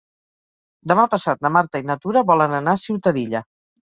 Demà passat na Marta i na Tura volen anar a Ciutadilla.